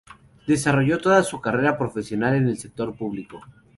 Desarrolló toda su carrera profesional en el sector público.